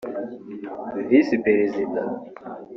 visi Perezida